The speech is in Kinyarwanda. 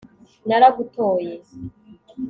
naragutoye